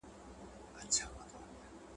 • مات لاس د غاړي امېل دئ.